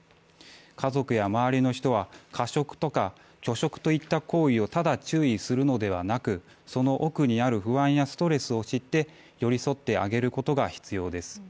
家族や周りの人は過食とか拒食といった行為をただ注意するのではなく、その奥にある不安やストレスを知って寄り添ってあげることが必要です。